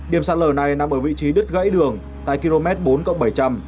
điểm sạt lở này nằm ở vị trí đứt gãy đường tại km bốn bảy trăm linh